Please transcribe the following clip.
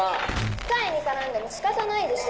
機械にカラんでも仕方ないでしょ